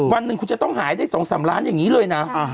วันหนึ่งคุณจะต้องหายได้๒๓ล้านอย่างนี้เลยนะ